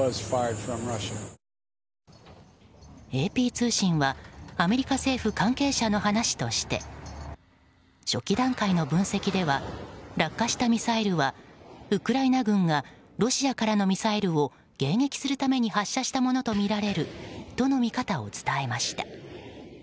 ＡＰ通信はアメリカ政府関係者の話として初期段階の分析では落下したミサイルはウクライナ軍がロシアからのミサイルを迎撃するために発射したものとみられるとの見方を伝えました。